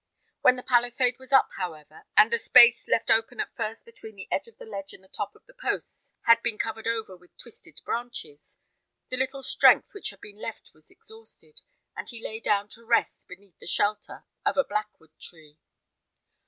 When the palisade was up, however, and the space, left open at first between the edge of the ledge and the top of the posts, had been covered over with twisted branches, the little strength which had been left was exhausted, and he lay down to rest beneath the shelter of a blackwood tree.